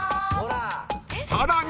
［さらに］